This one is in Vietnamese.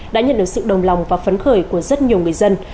đã nhận được sự đồng lòng và phấn khởi của rất nhiều người dân